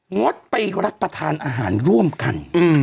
งดไปรับประทานอาหารร่วมกัน